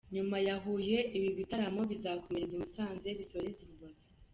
Nyuma ya Huye ibi bitaramo bizakomereza i Musanze bisoreze I Rubavu.